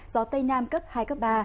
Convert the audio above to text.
gió tây nam cấp hai cấp ba